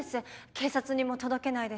警察にも届けないで。